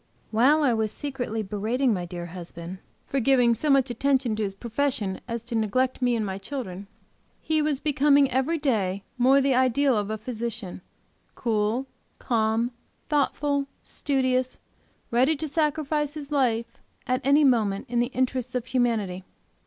While I was secretly braiding my dear husband for giving so attention to his profession as to neglect me and my children, he was becoming, every day, more the ideal of a physician, cool, calm, thoughtful, studious, ready to sacrifice his life at any moment in the interests of humanity.